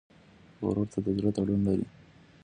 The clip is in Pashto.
ورور ته د زړه تړون لرې.